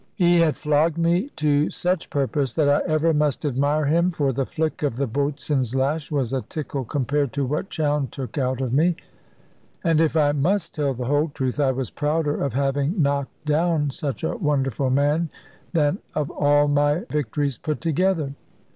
He had flogged me to such purpose that I ever must admire him; for the flick of the boatswain's lash was a tickle compared to what Chowne took out of me; and if I must tell the whole truth, I was prouder of having knocked down such a wonderful man than of all of my victories put together.